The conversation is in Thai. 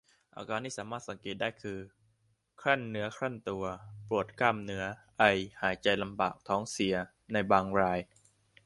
อาการที่สามารถสังเกตได้คือ ครั่นเนื้อครั่นตัว ปวดกล้ามเนื้อ ไอ หายใจลำบาก ท้องเสีย ในบางราย